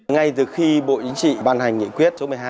ngay từ khi bộ chính trị ban hành nghị quyết số một mươi hai